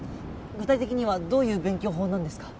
具体的にはどういう勉強法なんですか？